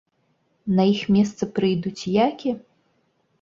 На іх месца прыйдуць які?